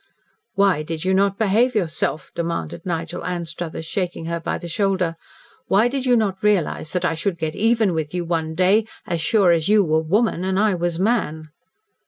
"Why did you not behave yourself?" demanded Nigel Anstruthers, shaking her by the shoulder. "Why did you not realise that I should get even with you one day, as sure as you were woman and I was man?"